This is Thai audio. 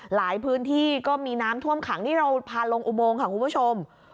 หลายพื้นที่ก็มีน้ำท่วมขังนี่เราพาลงอุโมงค่ะคุณผู้ชม